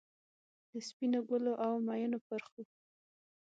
د سپینو ګلو، اومیینو پرخو،